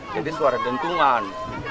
jadi suara dentuman